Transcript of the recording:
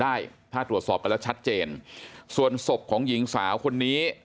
ได้ถ้าตรวจสอบกันแล้วชัดเจนส่วนศพของหญิงสาวคนนี้